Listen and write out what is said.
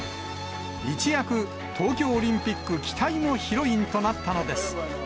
一躍、東京オリンピック期待のヒロインとなったのです。